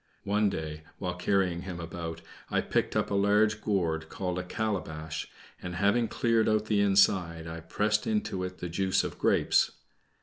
One day, while carrying him about, I picked up a large gourd called a calabash, and, having cleared out the inside, I pressed into it the juice of grapes.